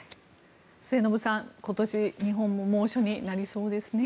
末延さん、今年日本も猛暑になりそうですね。